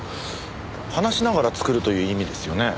「話しながら作る」という意味ですよね？